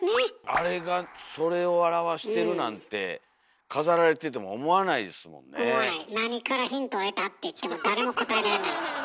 あれがそれを表してるなんて何からヒントを得た？って言っても誰も答えられないです。